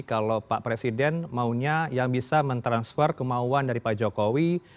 kalau pak presiden maunya yang bisa mentransfer kemauan dari pak jokowi